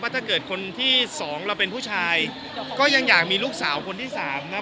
ถ้าเกิดคนที่สองเราเป็นผู้ชายก็ยังอยากมีลูกสาวคนที่สามนะครับ